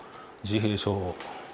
自閉症？